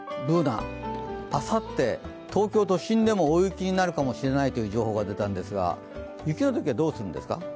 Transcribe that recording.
Ｂｏｏｎａ、あさって東京都心でも大雪になるかもしれないという情報が出たんですが、雪のときはどうするんですか？